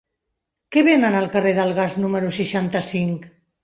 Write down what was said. Què venen al carrer del Gas número seixanta-cinc?